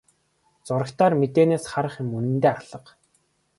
Зурагтаар мэдээнээс харах юм үнэндээ алга.